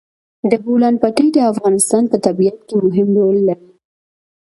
د بولان پټي د افغانستان په طبیعت کې مهم رول لري.